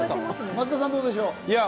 松田さん、どうでしょう？